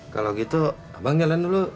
kalau gitu abang jalan dulu